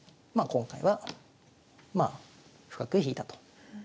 今回はまあ深く引いたと。